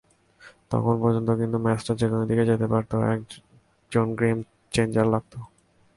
তখন পর্যন্ত কিন্তু ম্যাচটা যেকোনো দিকেই যেতে পারত, একজন গেম চেঞ্জার লাগত।